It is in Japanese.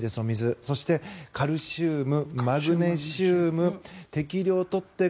そしてカルシウム、マグネシウム適量取っていく。